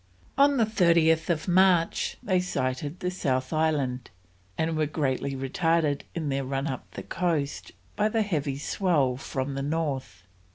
On 30th March they sighted the South Island, and were greatly retarded in their run up the coast by the heavy swell from the north.